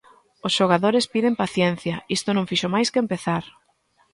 Os xogadores piden paciencia, isto non fixo máis que empezar.